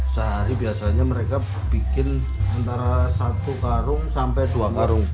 sehari biasanya mereka bikin antara satu karung sampai dua karung